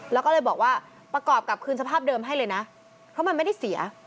แล้วก็เลยบอกว่าประกอบกับคืนสภาพเดิมให้เลยนะเพราะมันไม่ได้เสีย